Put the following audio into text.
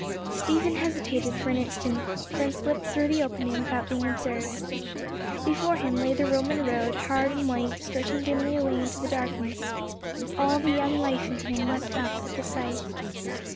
Stephen hesitated for an instant, then slipped through the opening without being observed. Before him lay the Roman road, hard and white, stretching dimly away into the darkness. All the young life in him leapt up at the sight.